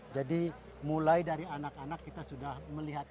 jadi mulai dari anak anak kita sudah melihat